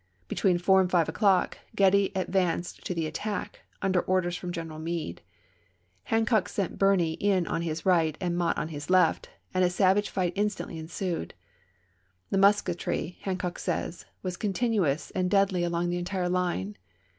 Between four and five o'clock Getty ad vanced to the attack, under orders from General Meade. Hancock sent Birney in on his right and Mott on his left, and a savage fight instantly en sued. "The musketry," Hancock says, " was con tinuous and deadly along the entire line."